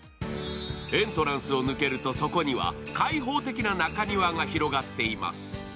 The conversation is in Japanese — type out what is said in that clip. エントランスを抜けるとそこには開放的な中庭が広がっています。